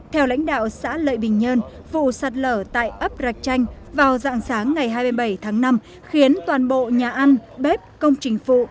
theo lãnh đạo xã lợi bình nhơn vụ sạt lở tại ấp rạch chanh vào dạng sáng ngày hai mươi bảy tháng năm khiến toàn bộ nhà ăn bếp công trình phụ